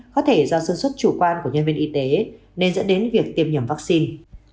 có thể do sơ xuất chủ quan của nhân viên y tế nên dẫn đến việc tiêm nhầm vaccine